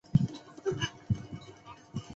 仁义镇为湖南省桂阳县所辖镇。